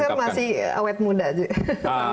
walaupun saya masih awet muda